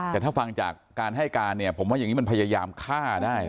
แต่ถ้าฟังจากการให้การเนี่ยผมว่าอย่างนี้มันพยายามฆ่าได้